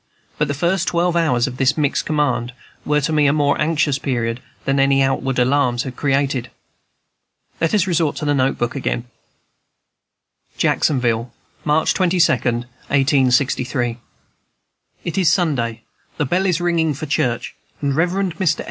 But the first twelve hours of this mixed command were to me a more anxious period than any outward alarms had created. Let us resort to the note book again. "JACKSONVILLE, March 22, 1863. "It is Sunday; the bell is ringing for church, and Rev. Mr.